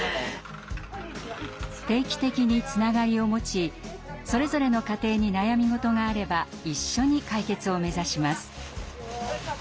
定期的につながりを持ちそれぞれの家庭に悩み事があれば一緒に解決を目指します。